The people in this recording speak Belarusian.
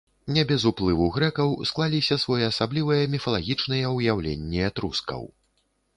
Не без уплыву грэкаў склаліся своеасаблівыя міфалагічныя ўяўленні этрускаў.